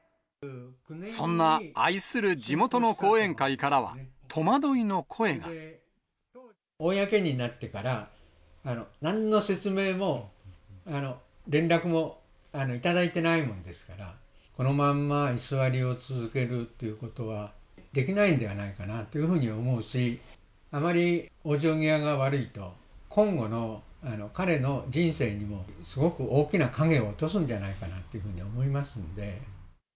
そんな愛する地元の後援会か公になってから、なんの説明も連絡もいただいてないものですから、このまんま居座りを続けるっていうことはできないではないかなというふうに思うし、あまり往生際が悪いと、今後の彼の人生にも、すごく大きな影を落とすんじゃないかなというふうに思いますので。